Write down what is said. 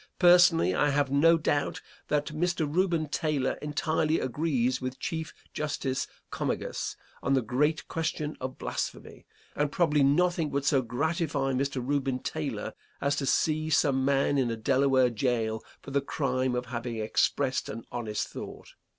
Personally, I have no doubt that Mr. Reuben Taylor entirely agrees with Chief Justice Comegys on the great question of blasphemy, and probably nothing would so gratify Mr. Reuben Taylor as to see some man in a Delaware jail for the crime of having expressed an honest thought.